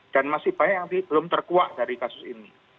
dan masih banyak yang belum terkuat dari kasus ini